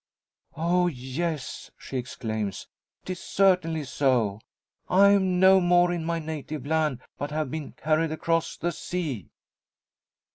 "Oh, yes!" she exclaims, "'tis certainly so! I am no more in my native land, but have been carried across the sea!"